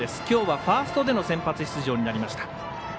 きょうはファーストでの先発出場となりました。